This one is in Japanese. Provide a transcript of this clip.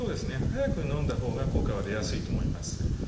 早くのんだほうが効果は出やすいと思います。